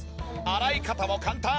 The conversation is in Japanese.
洗い方も簡単。